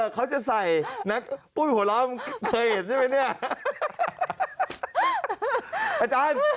เขาจะใส่นักปุ้บหัวร้องเคยเห็นใช่ไหมนี่